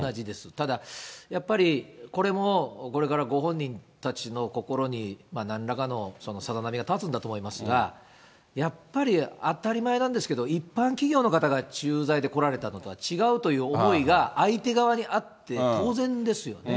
ただ、やっぱり、これもこれからご本人たちの心になんらかのさざ波が立つんだと思いますが、やっぱり当たり前なんですけれども、一般企業の方が駐在で来られたのとは違うという思いが、相手側にあって当然ですよね。